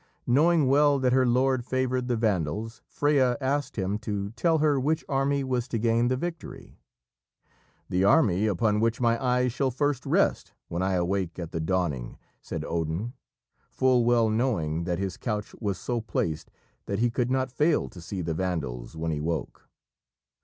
Knowing well that her lord favoured the Vandals, Freya asked him to tell her which army was to gain the victory. "The army upon which my eyes shall first rest when I awake at the dawning," said Odin, full well knowing that his couch was so placed that he could not fail to see the Vandals when he woke.